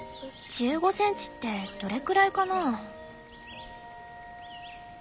１５センチってどれくらいかなぁ？